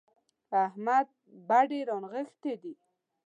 احمد بډې رانغښتې دي.